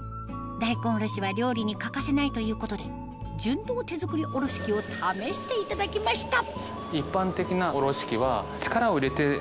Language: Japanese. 大根おろしは料理に欠かせないということで純銅手造りおろし器を試していただきました